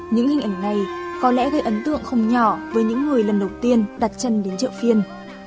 những hình ảnh này có lẽ gây ấn tượng không nhỏ với những người lần đầu tiên đặt chân đến chợ phiên